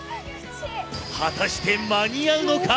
果たして間に合うのか。